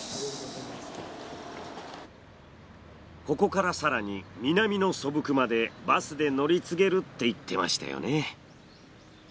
ここから更に南の曽福までバスで乗り継げるって言ってましたよね。